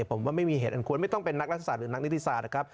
ผมว่าไม่มีเหตุอันควรไม่ต้องเป็นนักรัฐศาสหรือนักนิติศาสตร์นะครับ